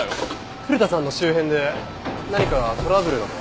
古田さんの周辺で何かトラブルなどは？